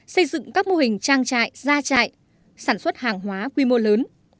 xây dựng các mô hình trang trại gia trại sản xuất hàng hóa quy mô lớn